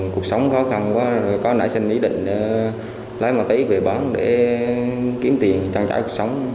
cuộc sống khó khăn quá có nãy xin ý định lấy ma túy về bán để kiếm tiền trang trải cuộc sống